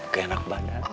gak enak banget